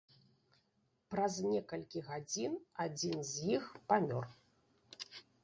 Праз некалькі гадзін адзін з іх памёр.